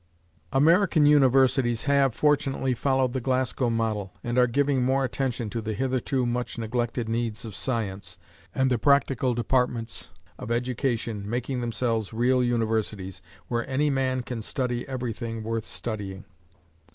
American universities have, fortunately, followed the Glasgow model, and are giving more attention to the hitherto much neglected needs of science, and the practical departments of education, making themselves real universities, "where any man can study everything worth studying."